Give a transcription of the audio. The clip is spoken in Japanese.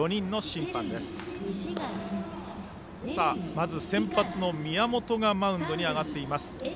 まず先発の宮本がマウンドに上がっています。